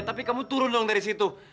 tapi kamu turun dong dari situ